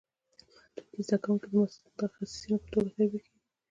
پوهنتون کې زده کوونکي د متخصصینو په توګه تربیه کېږي.